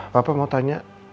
papa mau tanya